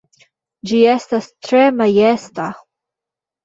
Ĝi estas tre majesta!